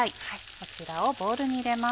こちらをボウルに入れます。